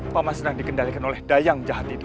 paman sedang dikendalikan oleh dayang jahat itu